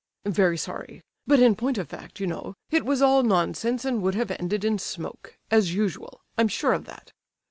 "Very sorry; but in point of fact, you know, it was all nonsense and would have ended in smoke, as usual—I'm sure of that.